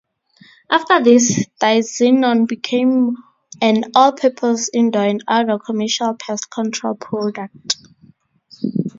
After this, diazinon became an all-purpose indoor and outdoor commercial pest control product.